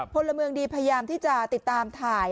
พลเมืองดีพยายามที่จะติดตามถ่าย